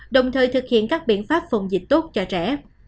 đồng thời thực hiện các biện pháp phòng dịch tốt cho trẻ